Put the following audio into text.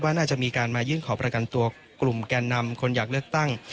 น่าจะมีการมายื่นขอประกันตัวกลุ่มแก่นำคนอยากเลือกตั้ง